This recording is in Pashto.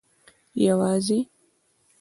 یوازي